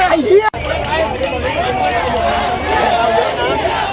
เฮียเฮียเฮีย